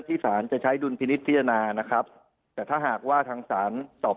ที่ศาลจะใช้ดุลพินิษียานานะครับแต่ถ้าหากว่าทางสานสอบ